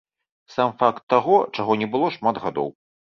Сам факт таго, чаго не было шмат гадоў.